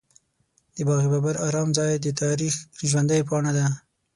د باغ بابر ارام ځای د تاریخ ژوندۍ پاڼه ده.